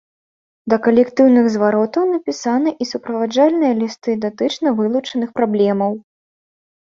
Да калектыўных зваротаў напісаны і суправаджальныя лісты датычна вылучаных праблемаў.